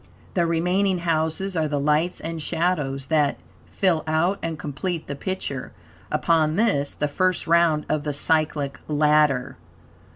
The remaining houses are the lights and shadows that, fill out and complete the picture, upon this, the first round of the Cyclic Ladder.